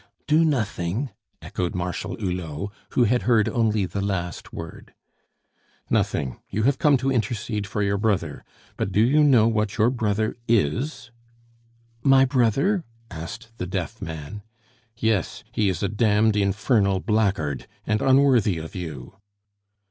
"Do nothing!" echoed Marshal Hulot, who had heard only the last word. "Nothing; you have come to intercede for your brother. But do you know what your brother is?" "My brother?" asked the deaf man. "Yes, he is a damned infernal blackguard, and unworthy of you."